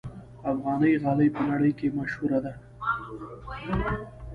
افغاني غالۍ په نړۍ کې مشهوره ده.